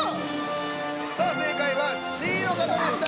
さあ正解はＣの方でした。